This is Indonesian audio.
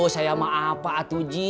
saya mah apa atu ji